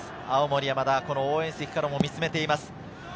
青森山田、応援席からも見つめています。